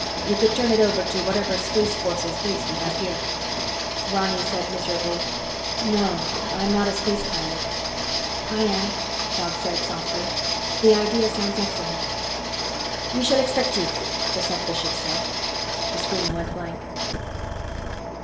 You could turn it over to whatever Space Forces base we have here." Ronny said miserably, "No. I'm not a space pilot." "I am," Tog said softly. "The idea sounds excellent." "We shall expect you," the Sub Bishop said. The screen went blank.